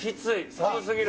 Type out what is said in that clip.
寒すぎる。